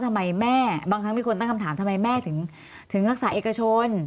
ทำไมแม่บางครั้งมีคนตั้งคำถามทำไมแม่ถึงรักษาเอกชน